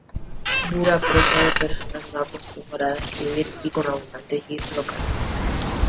Dura prosa de persona no acostumbrada a escribir y con abundantes giros locales.